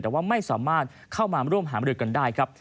แต่ว่าไม่สามารถเข้ามาร่วมหามรือกันได้ครับ